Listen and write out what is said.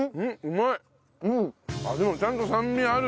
味もちゃんと酸味ある。